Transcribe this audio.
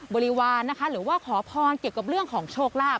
บริวารนะคะหรือว่าขอพรเกี่ยวกับเรื่องของโชคลาภ